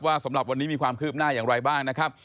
สำหรับวันนี้มีความคืบหน้าอย่างไรบ้างนะครับ